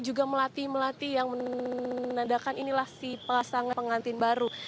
juga melati melati yang menandakan inilah si pasangan pengantin baru